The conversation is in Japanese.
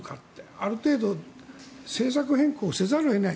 ある程度、政策変更をせざるを得ない。